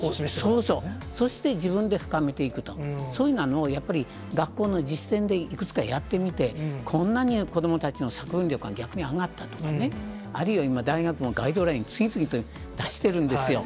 そうそう、そして自分で深めていくと、そういうようなのをやっぱり学校の実践でいくつかやってみて、こんなに子どもたちの作文力が逆に上がったとかね、あるいは今、大学もガイドライン次々と出してるんですよ。